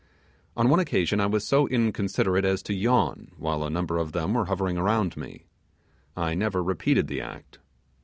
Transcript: On one occasion I was so inconsiderate as to yawn while a number of them were hovering around me. I never repeated the act.